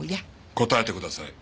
答えてください。